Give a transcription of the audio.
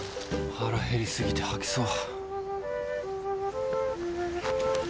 腹減りすぎて吐きそう。